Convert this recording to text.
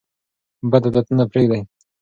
بد عادتونه پریږدئ.